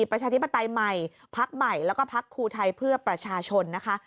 ประชาธิปไตยใหม่พักใหม่แล้วก็พักครูไทยเพื่อประชาชนนะคะ